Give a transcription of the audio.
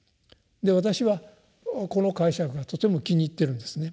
私はこの解釈がとても気に入っているんですね。